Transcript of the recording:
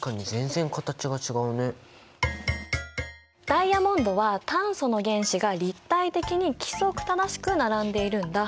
ダイヤモンドは炭素の原子が立体的に規則正しく並んでいるんだ。